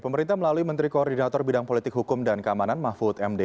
pemerintah melalui menteri koordinator bidang politik hukum dan keamanan mahfud md